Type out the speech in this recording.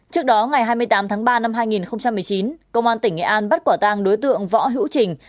trước đó ngày hai mươi tám tháng ba năm hai nghìn một mươi chín công an tỉnh nghệ an bắt quả tang đối tượng võ hữu trình